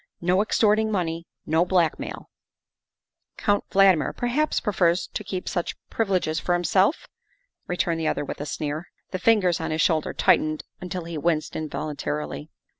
No extorting money, no blackmail " Count Valdmir perhaps prefers to keep such privi leges for himself," returned the other with a sneer. The fingers on his shoulder tightened until he winced involuntarily.